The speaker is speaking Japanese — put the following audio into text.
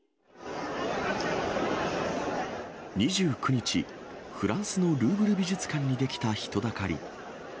２９日、フランスのルーブル美術館に出来た人だかり。